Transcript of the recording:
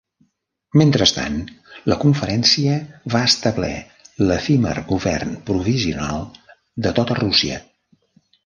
Mentrestant, la conferència va establer l'efímer govern provisional de tota Rússia.